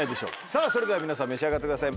さぁそれでは皆さん召し上がってください。